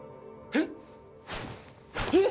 えっ！？